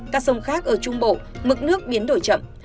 các sông khác ở trung bộ mực nước biến đổi chậm